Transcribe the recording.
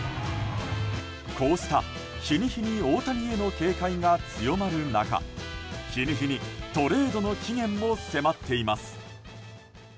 こうした日に日に大谷への警戒が強まる中日に日にトレードの期限も迫っています。